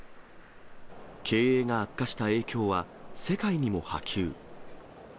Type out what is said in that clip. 経営が悪化した影響は、世界にも波及。